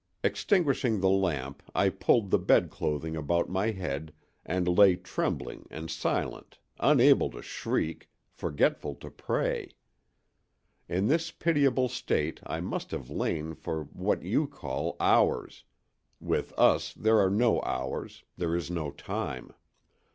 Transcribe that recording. Extinguishing the lamp I pulled the bed clothing about my head and lay trembling and silent, unable to shriek, forgetful to pray. In this pitiable state I must have lain for what you call hours—with us there are no hours, there is no time.